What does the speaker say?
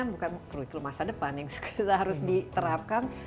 bukan kurikulum masa depan yang harus diterapkan